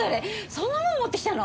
そんなもの持ってきたの？